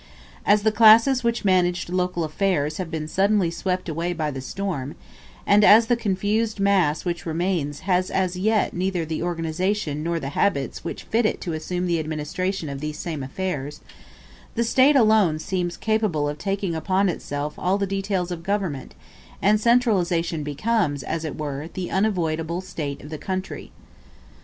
As the classes which managed local affairs have been suddenly swept away by the storm, and as the confused mass which remains has as yet neither the organization nor the habits which fit it to assume the administration of these same affairs, the State alone seems capable of taking upon itself all the details of government, and centralization becomes, as it were, the unavoidable state of the country.